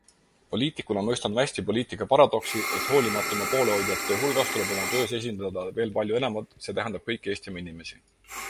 Poliitikuna mõistan ma hästi poliitika paradoksi, et hoolimata oma poolehoidjate hulgast tuleb oma töös esindada veel palju enamat, see tähendab kõiki Eestimaa inimesi.